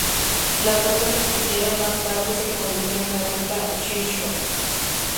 La ruta que siguieron más tarde se convirtió en la Ruta Chisholm.